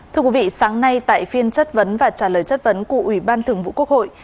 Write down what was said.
thưa quý vị sáng nay tại phiên chất vấn và trả lời chất vấn của ủy ban thường vụ quốc hội